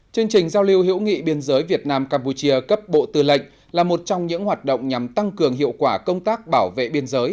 chương trình giao lưu hữu nghị biên giới việt nam campuchia cấp bộ tư lệnh là một trong những hoạt động nhằm tăng cường hiệu quả công tác bảo vệ biên giới